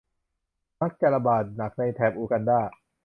มักจะระบาดหนักในแถบอูกันดา